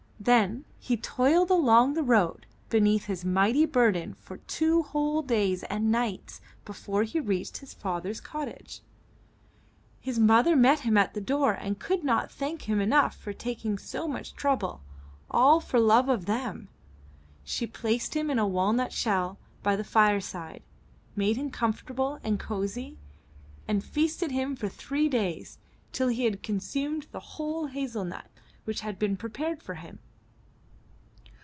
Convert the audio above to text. Then he toiled along the road beneath his mighty burden for two whole days and nights before he reached his father's cottage. His mother met him at the door and could not thank him enough for taking so much trouble, all for love of them. She placed him in a walnut shell by the fireside, made him comfortable and cozy, and feasted him for three days, till he had consumed the 269 MY BOOK HOUSE whole of a hazel nut which had been prepared for him.